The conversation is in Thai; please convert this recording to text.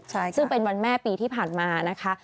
ซึ่งเป็นวันแม่ปีที่ผ่านมานะคะ